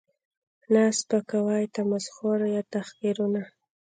، نه سپکاوی، تمسخر یا تحقیرونه